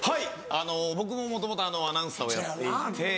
あの僕ももともとアナウンサーをやっていて。